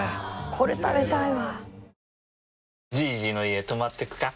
これ食べたいわ。